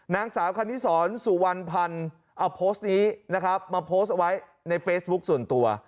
นางสาวคณิสรสุวรรณพันธ์เอาโพสต์นี้นะครับมาโพสต์ไว้ในเฟซบุ๊คส่วนตัว